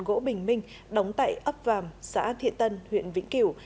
gỗ bình minh đóng tại ấp vàm xã thiện tân huyện vĩnh kiểu